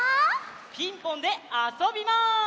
「ピンポン」であそびます！